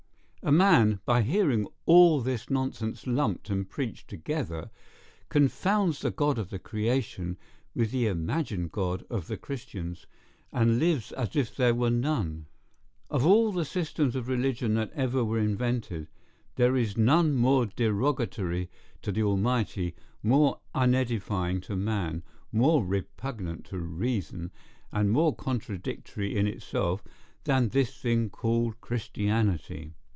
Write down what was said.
A man, by hearing all this nonsense lumped and preached together, confounds the God of the Creation with the imagined God of the Christians, and lives as if there were none. Of all the systems of religion that ever were invented, there is none more derogatory to the Almighty, more unedifying to man, more repugnant to reason, and more contradictory in itself, than this thing called Christianity.